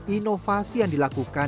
inovasi yang dilakukan